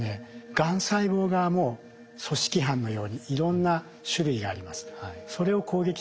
がん細胞側も組織犯のようにいろんな種類があります。